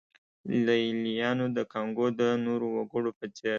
لېلیانو د کانګو د نورو وګړو په څېر.